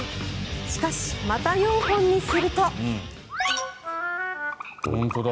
しかし、また４本にすると。